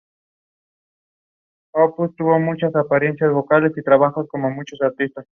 Se dedicó a actividades diversas antes de devenir en importante autor teatral.